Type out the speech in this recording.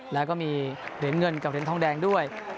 แล้วก็มีเหรียญเงินกับเหรียญทองแดงด้วย